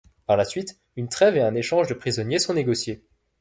Par la suite, une trêve et un échange de prisonniers sont négociés.